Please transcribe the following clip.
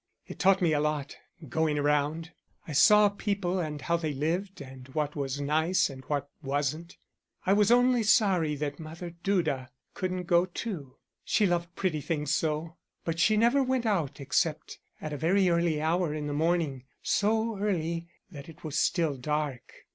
It taught me a lot, going around. I saw people and how they lived and what was nice and what wasn't. I was only sorry that Mother Duda couldn't go too. She loved pretty things so. But she never went out except at a very early hour in the morning, so early that it was still dark.